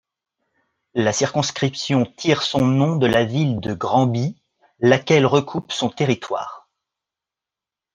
La circonscription tire son nom de la ville de Granby, laquelle recoupe son territoire.